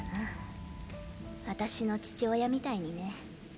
あたしの父親みたいにね。